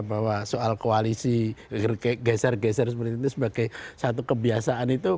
bahwa soal koalisi geser geser seperti itu sebagai satu kebiasaan itu